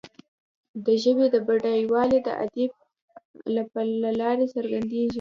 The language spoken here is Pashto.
د ژبي بډایوالی د ادب له لارې څرګندیږي.